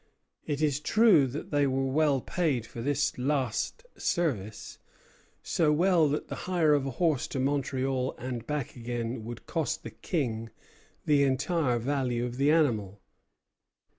It is true that they were well paid for this last service; so well that the hire of a horse to Montreal and back again would cost the King the entire value of the animal.